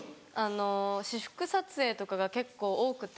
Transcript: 私服撮影とかが結構多くて。